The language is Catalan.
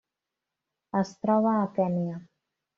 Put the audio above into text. Es troba a Kenya.